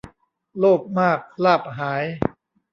โลภมากลาภหาย